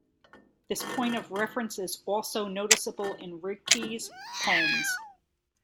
This point of reference is also noticeable in Rilke's poems.